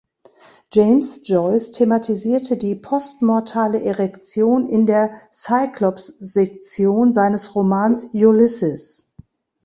James Joyce thematisierte die postmortale Erektion in der „Cyclops“-Sektion seines Romans "Ulysses".